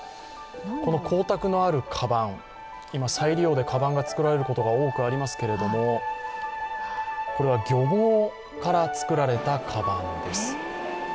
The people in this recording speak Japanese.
この光沢のあるかばん、今、再利用でかばんが作られることが多くありますけれどもこれは漁網から作られたかばんです。